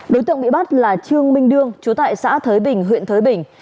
đối tượng bị bắt là trương minh đương chú tại xã thới bình huyện thới bình